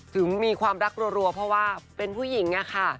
ถึงมีความรักรัวเพราะว่าเป็นผู้หญิงอะค่ะ